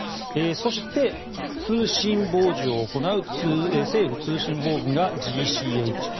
そして、通信傍受を行う政府通信本部がＧＣＨＱ。